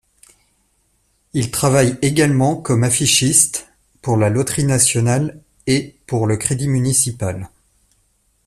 Il travaille également comme affichiste pour la Loterie nationale et pour le Crédit municipal.